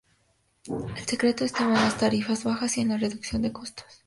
El secreto estaba en las tarifas bajas, y en la reducción de costos.